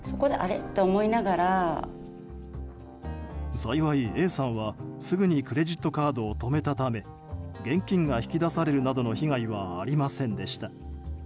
幸い、Ａさんはすぐにクレジットカードを止めたため現金が引き出されるなどの被害はありませんでした。